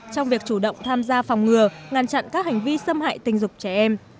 trong việc chủ động tham gia phòng ngừa ngăn chặn các hành vi xâm hại tình dục trẻ em